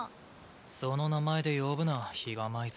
その名前で呼ぶな比嘉舞星。